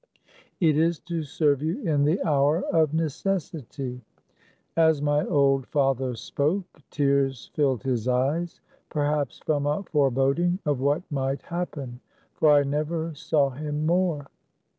"It is to serve you in the hour of necessity/' 130 THE CAB AVAN. As my old father spoke, tears filled his eyes. Perhaps from a foreboding of what might hap pen ; for I never saw him more.